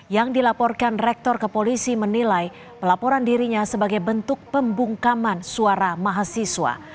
yang dilaporkan rektor ke polisi menilai pelaporan dirinya sebagai bentuk pembungkaman suara mahasiswa